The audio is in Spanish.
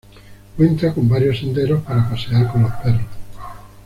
Cuenta con varios senderos para pasear con los perros.